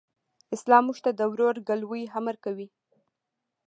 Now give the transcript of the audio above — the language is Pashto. اسلام موږ ته د ورورګلوئ امر کوي.